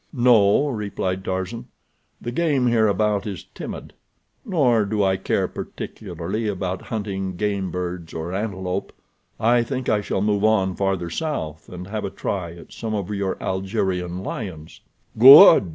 "No," replied Tarzan; "the game hereabout is timid, nor do I care particularly about hunting game birds or antelope. I think I shall move on farther south, and have a try at some of your Algerian lions." "Good!"